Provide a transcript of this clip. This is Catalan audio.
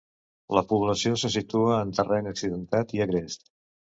La població se situa en terreny accidentat i agrest.